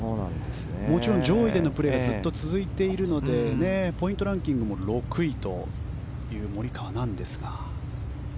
もちろん上位でのプレーがずっと続いているのでポイントランキングも６位というモリカワなんですが。